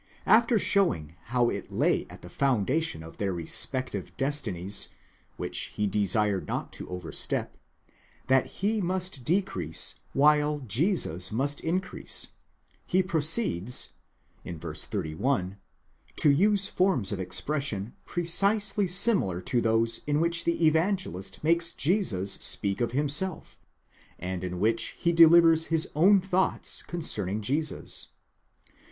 After showing how it lay at the foundation of their respective destinies, which he desired not to overstep, that he must decrease, while Jesus must increase, he proceeds (ver. 31) to use forms of expression precisely similar to those in which the Evangelist makes Jesus speak of himself, and in which he delivers his own thoughts concerning Jesus.